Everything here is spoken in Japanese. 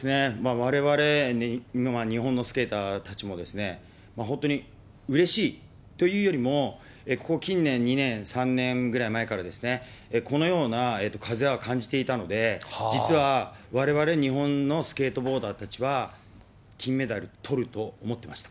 われわれ、日本のスケーターたちも、本当にうれしいというよりも、ここ、近年、２年、３年ぐらい前からですね、このような風は感じていたので、実はわれわれ、日本のスケートボーダーたちは、金メダルとると思ってました。